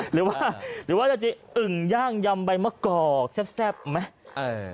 หรือว่าจะอึ่งย่างยำใบมะกอกแซ่บไหม